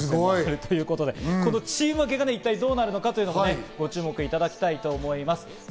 チーム分けが一体どうなるか、ご注目いただきたいと思います。